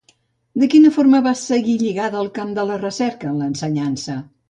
De quina forma va seguir lligada al camp de la recerca en ensenyança?